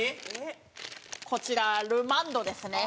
こちらルマンドですね。